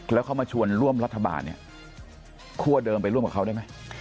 แล้วเขามาชวนร่วมรัฐบาลเนี่ยคั่วเดิมไปร่วมกับเขาได้ไหม